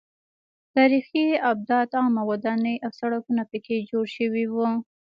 تاریخي ابدات عامه ودانۍ او سړکونه پکې جوړ شوي وو.